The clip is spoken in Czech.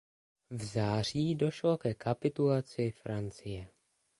V září došlo ke kapitulaci Francie.